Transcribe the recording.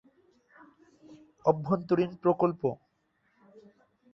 অভ্যন্তরীণ প্রকল্প